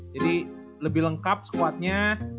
jadi lebih lengkap squadnya